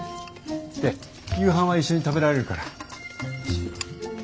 で夕飯は一緒に食べられるから。